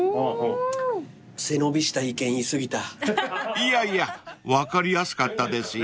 ［いやいや分かりやすかったですよ］